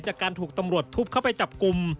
จากการถูกตำรวจทุบเข้าไปจับกลุ่ม